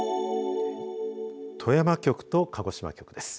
富山局と鹿児島局です。